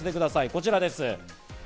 こちらです。